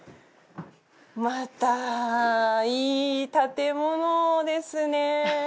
またいい建物ですね。